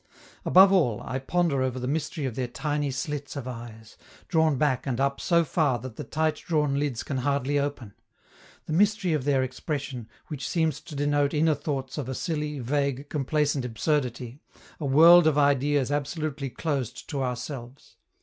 Above all, I ponder over the mystery of their tiny slits of eyes, drawn back and up so far that the tight drawn lids can hardly open; the mystery of their expression, which seems to denote inner thoughts of a silly, vague, complacent absurdity, a world of ideas absolutely closed to ourselves.